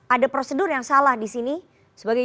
ada prosedur yang salah di sini sebagai